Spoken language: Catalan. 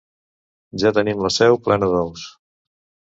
Ja tenim la seu plena d'ous.